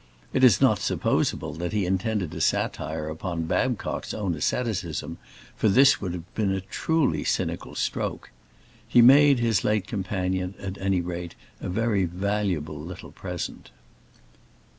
It is not supposable that he intended a satire upon Babcock's own asceticism, for this would have been a truly cynical stroke. He made his late companion, at any rate, a very valuable little present.